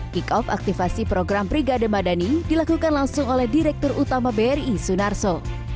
kick off aktivasi program brigade madani dilakukan langsung oleh direktur utama bri sunarso